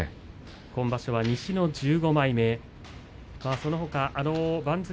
今場所は西の１５枚目です。